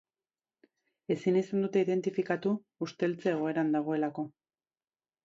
Ezin izan dute identifikatu, usteltze egoeran dagoelako.